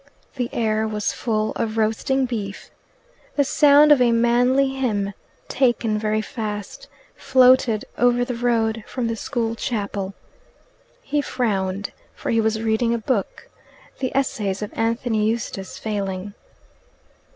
The air was full of roasting beef. The sound of a manly hymn, taken very fast, floated over the road from the school chapel. He frowned, for he was reading a book, the Essays of Anthony Eustace Failing.